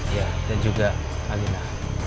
iya dan juga alina